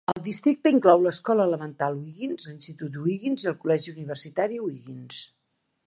El districte inclou l'escola elemental Wiggins, l'Institut Wiggins i el Col·legi Universitari Wiggins.